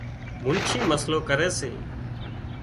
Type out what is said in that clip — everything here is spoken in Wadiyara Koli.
منڇي مسئلو ڪري سي